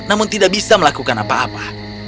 namun tidak bisa melakukan apa apa